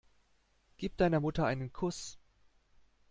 Gib deiner Mutter einen Kuss.